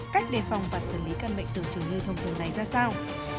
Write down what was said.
cách đề phòng và xử lý căn bệnh tử trường lưu thông thường này ra sao